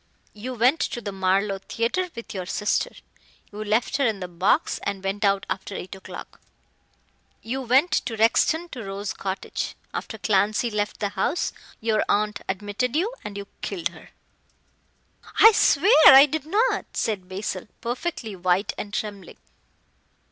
You went to the Marlow Theatre with your sister. You left her in the box and went out after eight o'clock. You went to Rexton to Rose Cottage. After Clancy left the house your aunt admitted you and you killed her " "I swear I did not!" said Basil, perfectly white and trembling.